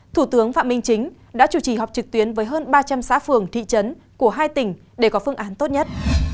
thủ tướng phạm minh chính đã chủ trì họp trực tuyến với hơn ba trăm linh xã phường thị trấn của hai tỉnh để có phương án tốt nhất